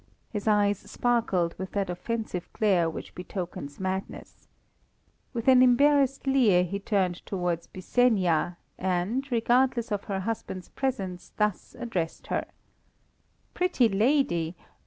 His eyes sparkled with that offensive glare which betokens madness. With an embarrassed leer he turned towards Byssenia, and regardless of her husband's presence, thus addressed her: "Pretty lady!